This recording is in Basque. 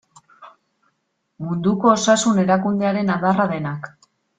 Munduko Osasun Erakundearen adarra denak.